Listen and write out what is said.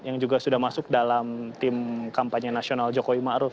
yang juga sudah masuk dalam tim kampanye nasional jokowi ma'ruf